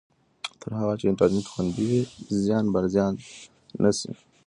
تر هغه چې انټرنېټ خوندي وي، زیان به زیات نه شي.